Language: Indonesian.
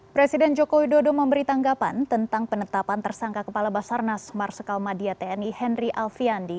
presiden joko widodo memberi tanggapan tentang penetapan tersangka kepala basarnas marsikal madia tni henry alfiandi